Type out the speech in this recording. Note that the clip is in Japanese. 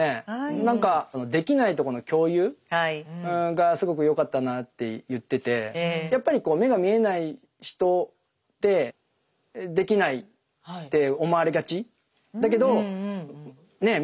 何かできないとこの共有？がすごくよかったなあって言っててやっぱりこう目が見えない人ってできないって思われがちだけどねえ？